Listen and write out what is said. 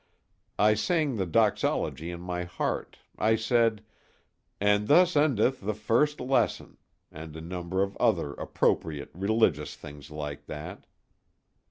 I sang the doxology in my heart I said, "and thus endeth the first lesson," and a number of other appropriate, religious things like that.